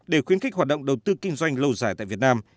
để khuyến khích hoạt động đầu tư kinh doanh lâu dài tại việt nam